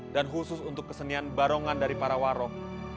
dan khusus untuk kesenian barongan dari para warog